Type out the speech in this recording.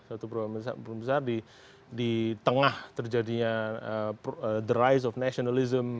suatu perubahan besar di tengah terjadinya the rice of nationalism